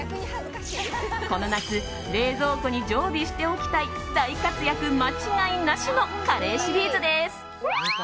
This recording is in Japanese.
この夏冷蔵庫に常備しておきたい大活躍間違いなしのカレーシリーズです。